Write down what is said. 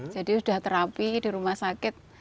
jadi sudah terapi di rumah sakit